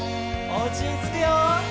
おうちにつくよ。